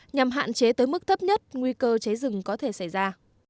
nhằm hạn chế tới mức thấp nhất nguy cơ cháy rừng có thể xảy ra